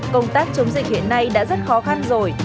công tác chống dịch hiện nay đã rất khó khăn rồi